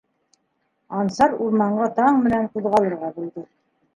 Ансар урманға таң менән ҡуҙғалырға булды.